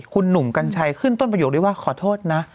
คุณหนุ่มกัญชัยขึ้นต้นประโยคได้ว่าขอโทษนะ